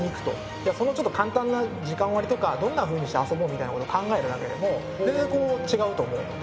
じゃあそのちょっと簡単な時間割とかどんなふうにして遊ぼうみたいなことを考えるだけでも全然こう違うと思うので。